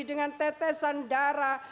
dengan tetesan darah